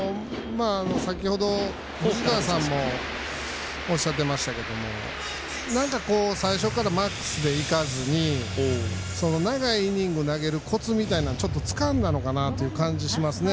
先ほど、藤川さんもおっしゃってましたけれども最初からマックスでいかずに長いイニング投げるコツみたいなのをちょっとつかんだのかなという感じをしますね。